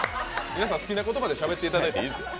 皆さん、好きな言葉でしゃべっていいですよ。